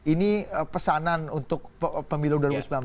ini pesanan untuk pemilu dua ribu sembilan belas